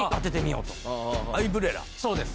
そうです。